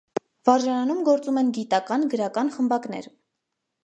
Վարժարանում գործում են գիտական, գրական խմբակներ։